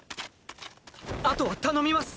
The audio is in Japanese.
あとは頼みます！